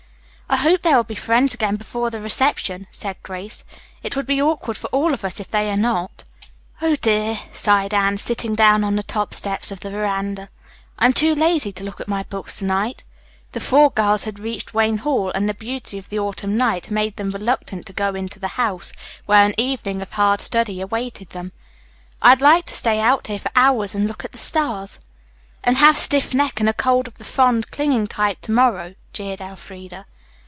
"I hope they will be friends again before the reception," said Grace. "It would be awkward for all of us if they are not." "Oh, dear," sighed Anne, sitting down on the top step of the veranda. "I'm too lazy to look at my books to night." The four girls had reached Wayne Hall and the beauty of the autumn night made them reluctant to go into the house, where an evening of hard study awaited them. "I'd like to stay out here for hours and look at the stars." "And have stiff neck and a cold of the fond, clinging type, to morrow," jeered Elfreda.